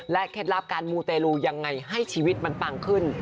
เคล็ดลับการมูเตรลูยังไงให้ชีวิตมันปังขึ้น